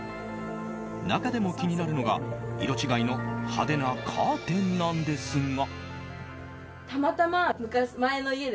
中でも気になるのが、色違いの派手なカーテンなんですが。